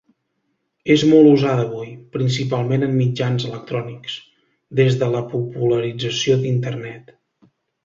És molt usada avui, principalment en mitjans electrònics, des de la popularització d'internet.